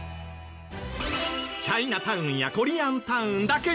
チャイナタウンやコリアンタウンだけじゃない。